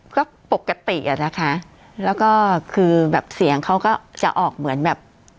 ก็ปกติอะนะคะแล้วก็คือแบบเสียงเขาก็จะออกเหมือนแบบ